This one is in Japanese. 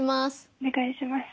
☎おねがいします。